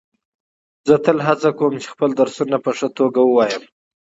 زه تل هڅه کوم چي خپل درسونه په ښه توګه ووایم.